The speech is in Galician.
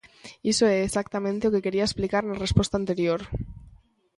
Iso é exactamente o que quería explicar na resposta anterior.